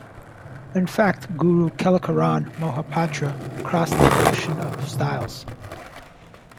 In fact, Guru Kelucharan Mohapatra crossed the ocean of styles.